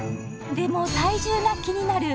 でも体重が気になる